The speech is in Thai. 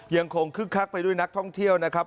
คึกคักไปด้วยนักท่องเที่ยวนะครับ